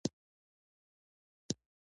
دوی د اقتصادي ودې د طرحې عملي کول غوښتل.